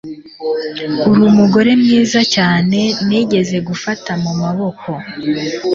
Uri umugore mwiza cyane nigeze gufata mu maboko